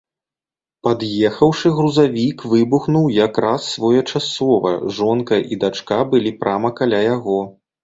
Пад'ехаўшы грузавік выбухнуў як раз своечасова, жонка і дачка былі прама каля яго.